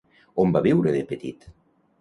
On va viure de petit?